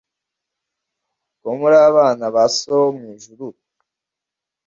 ko muri abana ba so wo mu ijuru